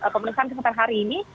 pemeriksaan kesempatan hari ini